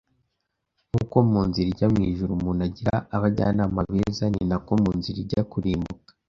nk’uko mu nzira ijya mu ijuru umuntu agira abajyanama beza nina ko mu nzira ijya kurimbuka